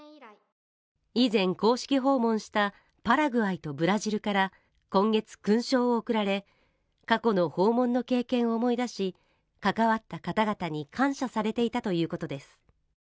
以前公式訪問したパラグアイとブラジルから今月、勲章を贈られ、過去の訪問の経験を思い出し、関わった方々に感謝されていたということです。